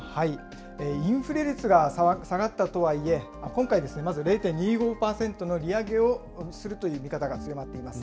インフレ率が下がったとはいえ、今回、まず０．２５％の利上げをするという見方が強まっています。